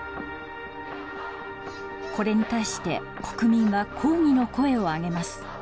これに対して国民は抗議の声を上げます。